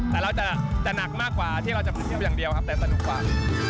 แต่เราจะหนักมากกว่าที่เราจะไปเที่ยวอย่างเดียวครับแต่สนุกกว่า